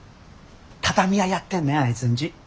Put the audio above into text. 畳屋やってんねんあいつんち。